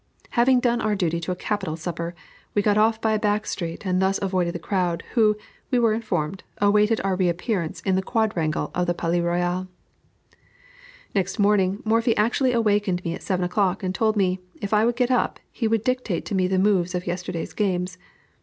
Having done our duty to a capital supper, we got off by a back street, and thus avoided the crowd, who, we were informed, awaited our reappearance in the quadrangle of the Palais Royal. Next morning, Morphy actually awakened me at seven o'clock, and told me, if I would get up, he would dictate to me the moves of yesterday's games.